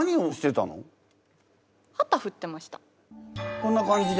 こんな感じで？